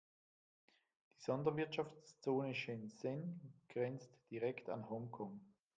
Die Sonderwirtschaftszone Shenzhen grenzt direkt an Hongkong.